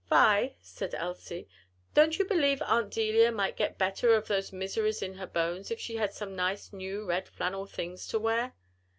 "Vi," said Elsie, "Don't you believe Aunt Delia might get better of those 'miseries' in her bones, if she had some nice new red flannel things to wear?"